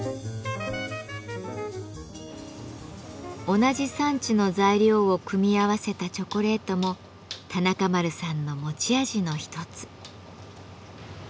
同じ産地の材料を組み合わせたチョコレートも田中丸さんの持ち味の一つ。